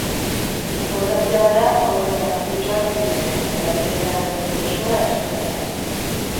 Inportantea da haur eta gaztetxoak entzutea eta beren garapen prozesua errespetatzea.